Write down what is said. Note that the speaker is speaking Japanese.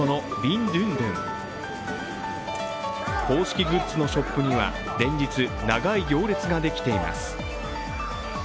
公式グッズのショップには、連日、長い行列ができています。